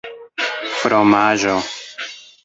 fromaĵo